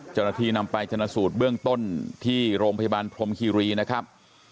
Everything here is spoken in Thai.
เจ้าหน้าที่นำไปชนะสูตรเบื้องต้นที่โรงพยาบาลพรมคีรีนะครับ